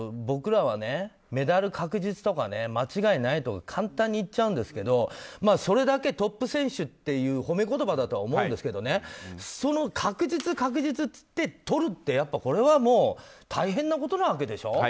僕らはメダル確実とか間違いないとか簡単に言っちゃうんですけどトップ選手って褒め言葉だとは思うんですけどその確実、確実といってとるってこれはもう大変なことなわけでしょ。